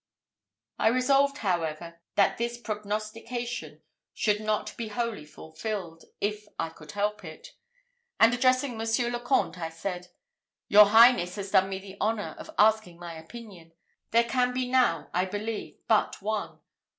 I resolved, however, that this prognostication should not be wholly fulfilled, if I could help it; and addressing Monsieur le Comte, I said, "Your highness has done me the honour of asking my opinion. There can be now, I believe, but one.